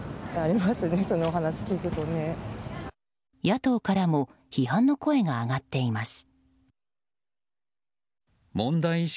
野党からも批判の声が上がっています。